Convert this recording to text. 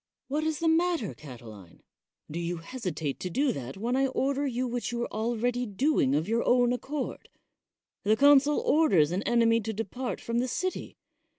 What is the matter, Cati 100 CICERO line? Do you hesitate to do that when I order you which you were already doing of your own accord? The consul orders an enemy to depart from the city.